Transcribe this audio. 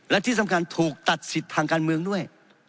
และที่สำคัญถูกตัดสิทธิ์ทางการเมืองด้วย